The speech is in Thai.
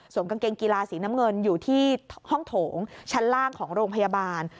กางเกงกีฬาสีน้ำเงินอยู่ที่ห้องโถงชั้นล่างของโรงพยาบาล